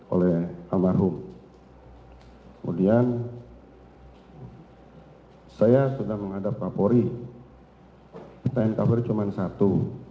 oleh almarhum kemudian saya sudah menghadap kapolri kita yang kapolri cuma satu